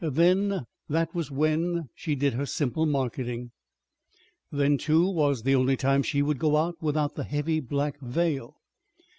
Then was when she did her simple marketing. Then, too, was the only time she would go out without the heavy black veil.